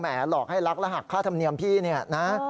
หลอกให้รักและหักค่าธรรมเนียมพี่เนี่ยนะ